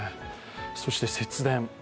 そして節電。